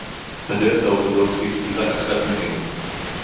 הדרך האורתודוקסית היא רק אחת מהן